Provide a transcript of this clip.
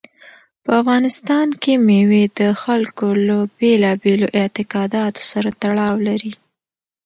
په افغانستان کې مېوې د خلکو له بېلابېلو اعتقاداتو سره تړاو لري.